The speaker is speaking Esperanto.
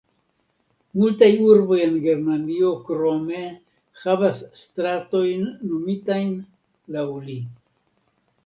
Multaj urboj en Germanio krome havas stratojn nomitajn laŭ li.